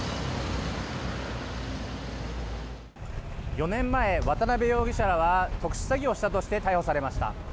４年前、渡邉容疑者らは特殊詐欺をしたとして逮捕されました。